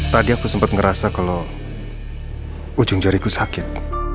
tadi aku sempet ngerasa kalo ujung jariku sakit